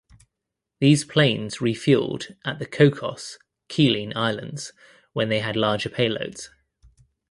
These planes refuelled at the Cocos (Keeling) Islands when they had larger pay loads.